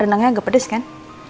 renangnya agak pedes kan